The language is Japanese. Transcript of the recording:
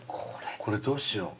これどうしよう。